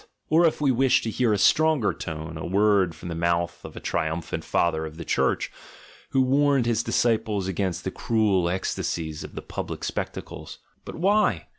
Or if we wish to hear a stronger tone, a word from the mouth of a triumphant father of the Church, who warned his disciples against the cruel ecstasies of the public spectacles — But why?